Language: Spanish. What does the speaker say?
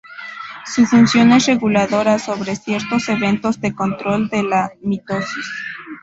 Su función es reguladora sobre ciertos eventos de control de la mitosis.